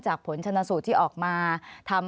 อันดับสุดท้ายแก่มือ